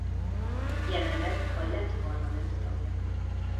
Jelenleg a lett parlament tagja.